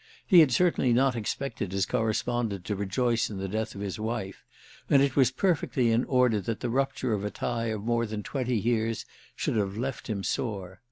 He had certainly not expected his correspondent to rejoice in the death of his wife, and it was perfectly in order that the rupture of a tie of more than twenty years should have left him sore.